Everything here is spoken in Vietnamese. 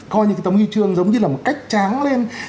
coi những cái tấm huy chương giống như là một cách tráng lên